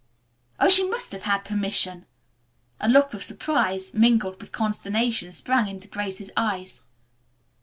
"Oh, she must have had permission!" A look of surprise, mingled with consternation, sprang into Grace's eyes.